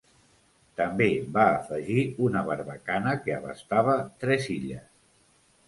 També va afegir una barbacana que abastava tres illes.